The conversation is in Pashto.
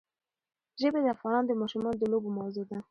ژبې د افغان ماشومانو د لوبو موضوع ده.